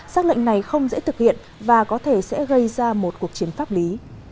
xác lệnh này không dễ thực hiện và có thể sẽ gây ra một cuộc chiến pháp lý